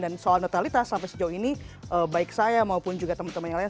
dan soal netralitas sampai sejauh ini baik saya maupun juga teman teman yang lain